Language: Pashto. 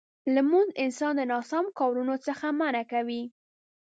لمونځ انسان د ناسم کارونو څخه منع کوي.